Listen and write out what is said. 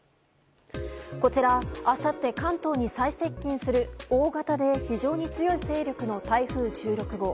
こちら、あさって関東に最接近する大型で非常に強い勢力の台風１６号。